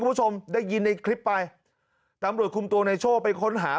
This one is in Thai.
คุณผู้ชมได้ยินในคลิปไปตำรวจคุมตัวในโชคไปค้นหา